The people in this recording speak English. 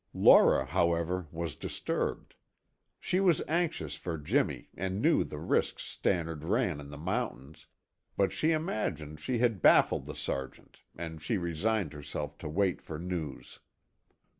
Laura, however, was disturbed. She was anxious for Jimmy and knew the risks Stannard ran in the mountains, but she imagined she had baffled the sergeant and she resigned herself to wait for news.